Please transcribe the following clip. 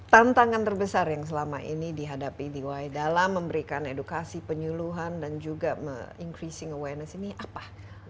tantangan terbesar yang selama ini dihadapi di y dalam memberikan edukasi penyuluhan dan juga increasing awareness ini apa